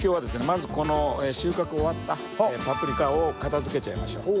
まずこの収穫終わったパプリカを片づけちゃいましょう。